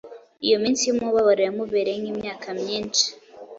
Iyo minsi y’umubabaro yamubereye nk’imyaka myinshi.